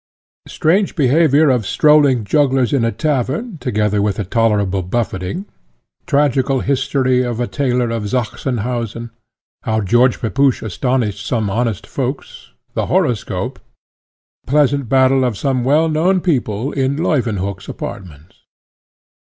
Strange behaviour of strolling jugglers in a tavern, together with a tolerable buffeting. Tragical history of a tailor at Sachsenhausen. How George Pepusch astonished some honest folks. The horoscope. Pleasant battle of some well known people in Leuwenhock's apartments.